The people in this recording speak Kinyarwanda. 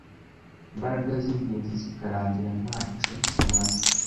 imbaraga z’ingenzi zikarangira ntaco zimaze